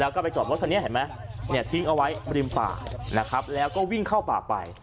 ก็ไปจอบรถที่นี่ทิ้งเอาไว้ริมป่าแล้วก็วิ่งเข้าป่าไป